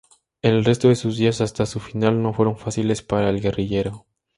El resto de sus días, hasta su final, no fueron fáciles para el guerrillero.